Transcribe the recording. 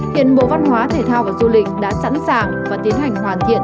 hiện bộ văn hóa thể thao và du lịch đã sẵn sàng và tiến hành hoàn thiện